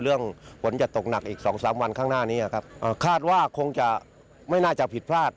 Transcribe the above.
เรื่องฝนจะตกหนักอีกสองสามวันข้างหน้านี้ครับคาดว่าคงจะไม่น่าจะผิดพลาด